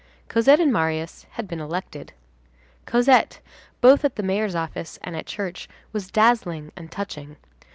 Cosette and Marius had been elected. Cosette, both at the mayor's office and at church, was dazzling and touching.